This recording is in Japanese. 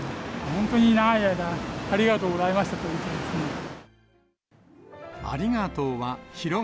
本当に長い間、ありがとうございましたと言いたいですね。